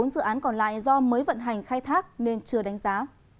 bốn dự án còn lại do mới vận hành khai thác nên chưa đánh giá